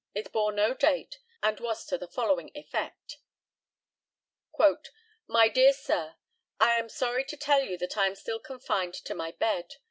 It bore no date, and was to the following effect: "My dear Sir, I am sorry to tell you that I am still confined to my bed.